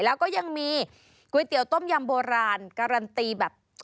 แล้วก็ยังมีก๋วยเตี๋ยวต้มยำโบราณการันตีแบบ